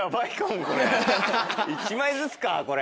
１枚ずつかこれ。